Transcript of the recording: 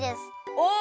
お！